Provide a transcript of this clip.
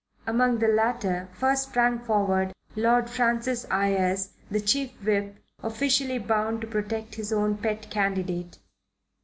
Among the latter first sprang forward Lord Francis Ayres, the Chief Whip, officially bound to protect his own pet candidate.